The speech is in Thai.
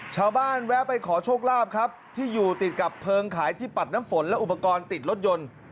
แวะไปขอโชคลาภครับที่อยู่ติดกับเพลิงขายที่ปัดน้ำฝนและอุปกรณ์ติดรถยนต์